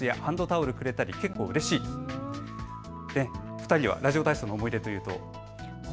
２人はラジオ体操の思い出は？